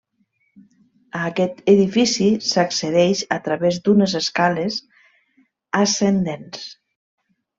A aquest edifici s'accedeix a través d'unes escales ascendents.